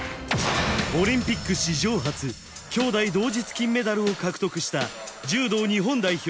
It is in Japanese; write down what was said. オリンピック史上初兄妹同日金メダルを獲得した柔道日本代表